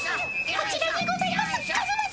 こちらにございますカズマ様。